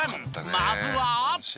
まずは。